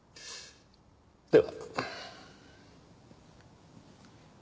では。